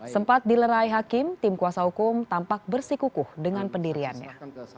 sempat dilerai hakim tim kuasa hukum tampak bersikukuh dengan pendiriannya